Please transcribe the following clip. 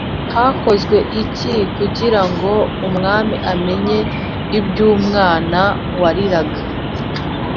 Hakozwe iki kugirango umwami amenye iby’umwana wariraga